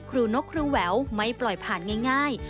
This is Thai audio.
นกครูแหววไม่ปล่อยผ่านง่าย